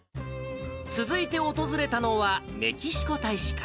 続いて訪れたのは、メキシコ大使館。